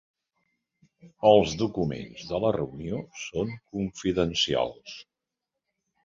Els documents de la reunió són confidencials.